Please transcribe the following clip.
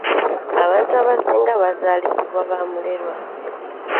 Abantu abasinga bazaalisibwa ba mulerwa.